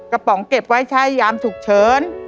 กระป๋องเก็บไว้ใช้ยามถูกเชิญ